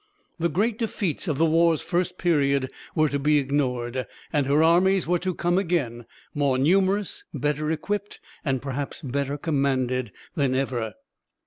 The great defeats of the war's first period were to be ignored, and her armies were to come again, more numerous, better equipped and perhaps better commanded than ever.